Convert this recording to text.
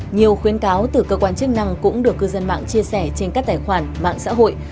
nhiều khuyến cáo từ cơ quan chức năng cũng được cư dân mạng chia sẻ trên các tài khoản mạng xã hội